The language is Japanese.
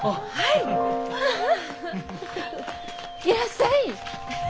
いらっしゃい！